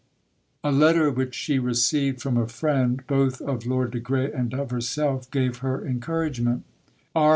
A letter which she received from a friend, both of Lord de Grey and of herself, gave her encouragement: (_R.